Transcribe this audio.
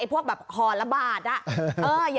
ไอ้พวกแบบหอละบาทอ่ะ